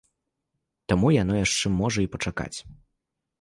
Таму яно яшчэ можа і пачакаць.